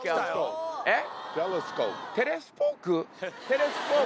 えっ？